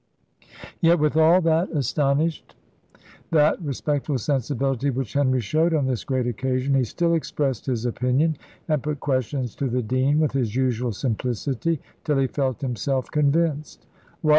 Yet, with all that astonished, that respectful sensibility which Henry showed on this great occasion, he still expressed his opinion, and put questions to the dean, with his usual simplicity, till he felt himself convinced. "What!"